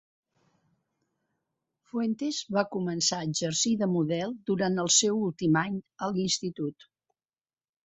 Fuentes va començar a exercir de model durant el seu últim any a l'institut.